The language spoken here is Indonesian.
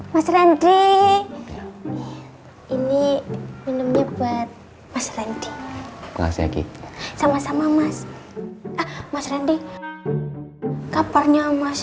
mas randi ini minumnya buat mas randi sama sama mas mas randi kapalnya mas